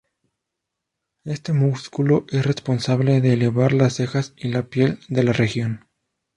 Este músculo es responsable de elevar las cejas y la piel de la región.